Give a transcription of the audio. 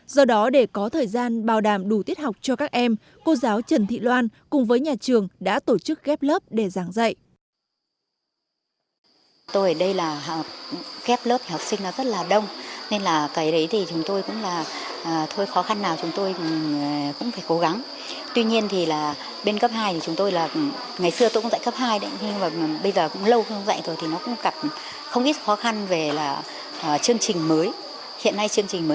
do đó để có thời gian bảo đảm đủ tiết học cho các em cô giáo trần thị loan cùng với nhà trường đã tổ chức ghép lớp để giảng dạy